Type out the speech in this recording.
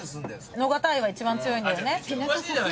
野方愛が一番強いんだよね。